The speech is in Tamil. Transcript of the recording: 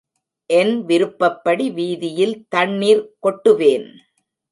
என் விருப்பப்படி வீதியில் தண்ணிர் கொட்டுவேன்.